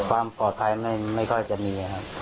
ความปลอดภัยไม่ค่อยจะมีครับ